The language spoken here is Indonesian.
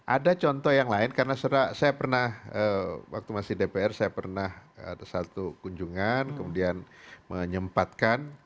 ada contoh yang lain karena saya pernah waktu masih dpr saya pernah ada satu kunjungan kemudian menyempatkan